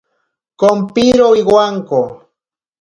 Kompiro iwanko.